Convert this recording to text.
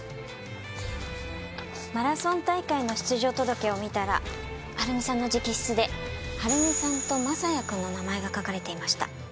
マラソン大会の出場届を見たら晴美さんの直筆で晴美さんと将也くんの名前が書かれていました。